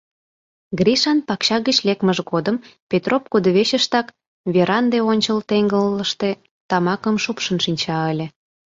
Гришан пакча гыч лекмыж годым Петроп кудывечыштак, веранде ончыл теҥгылыште, тамакым шупшын шинча ыле.